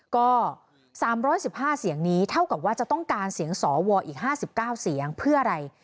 ก็๓๑๕เสียงนี้เท่ากับว่าจะต้องการเสียงสวอีก๕๙เสียงเพื่ออะไร